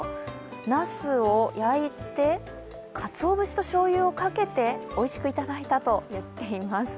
なすを焼いて、かつおぶしとしょうゆをかけておいしくいただいたと言っています。